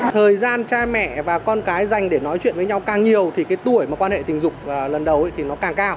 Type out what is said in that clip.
thời gian cha mẹ và con cái dành để nói chuyện với nhau càng nhiều thì cái tuổi mà quan hệ tình dục lần đầu thì nó càng cao